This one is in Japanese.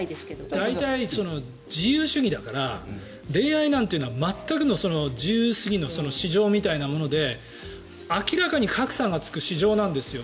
大体、自由主義だから恋愛なんてのは全くの自由の市場みたいなもので明らかに格差がつく市場なんですよ。